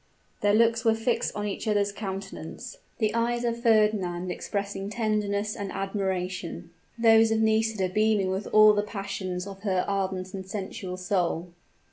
Their looks were fixed on each other's countenance; the eyes of Fernand expressing tenderness and admiration, those of Nisida beaming with all the passions of her ardent and sensual soul.